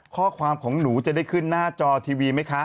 ของหนูจะได้ขึ้นหน้าจอทีวีไหมคะ